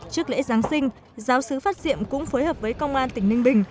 trước lễ giáng sinh giáo sứ phát diệm cũng phối hợp với công an tỉnh ninh bình